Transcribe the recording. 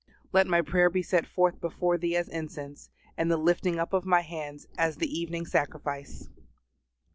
"LET MY PRAYER BE SET FORTH BEFORE THEE AS INCENSE: AND THE LIFTING UP OF MY HANDS AS THE EVENING SACRIFICE."